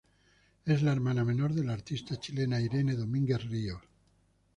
Es la hermana menor de la artista chilena Irene Domínguez Ríos.